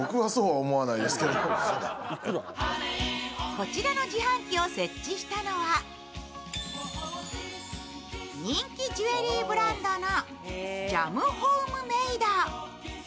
こちらの自販機を設置したのは人気ジュエリーブランドのＪＡＭＨＯＭＥＭＡＤＥ。